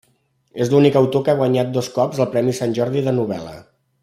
És l'únic autor que ha guanyat dos cops el Premi Sant Jordi de novel·la.